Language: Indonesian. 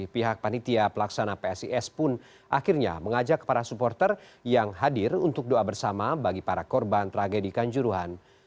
pihak panitia pelaksana psis pun akhirnya mengajak para supporter yang hadir untuk doa bersama bagi para korban tragedi kanjuruhan